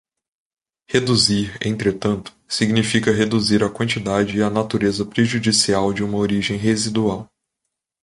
Reduzir, entretanto, significa reduzir a quantidade e a natureza prejudicial de uma origem residual.